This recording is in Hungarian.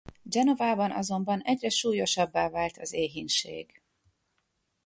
Genovában azonban egyre súlyosabbá vált az éhínség.